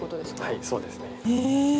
はい、そうですね。